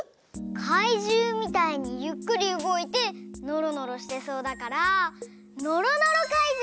かいじゅうみたいにゆっくりうごいてのろのろしてそうだからのろのろかいじゅう！